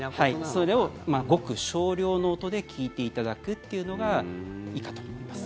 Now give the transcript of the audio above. それをごく少量の音で聴いていただくというのがいいかと思います。